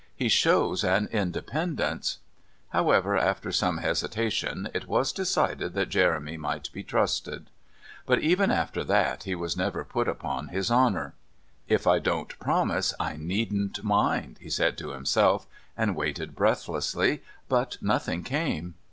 He shows an independence " However, after some hesitation it was decided that Jeremy might be trusted. But even after that he was never put upon his honour. "If I don't promise, I needn't mind," he said to himself, and waited breathlessly; but nothing came.